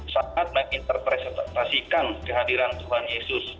sangat menginterpresentasikan kehadiran tuhan yesus